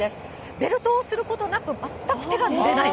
ベルトをすることなく、全く手がぬれない。